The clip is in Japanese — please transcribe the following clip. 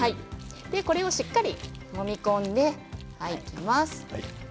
これをしっかりともみ込んでいきます。